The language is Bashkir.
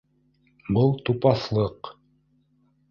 —Был тупаҫлыҡ.